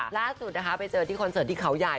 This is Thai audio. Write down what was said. ล่าสูตรนะคะเจอที่คอนเซิร์ตในเขาใหญ่